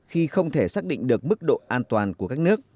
khi không thể xác định được mức độ an toàn của các nước